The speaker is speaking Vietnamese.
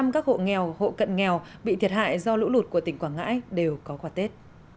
một trăm linh các hộ nghèo hộ cận nghèo bị thiệt hại do lũ lụt của tỉnh quảng ngãi đều có quả tết